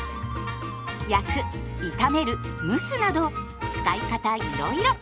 焼く炒める蒸すなど使い方いろいろ。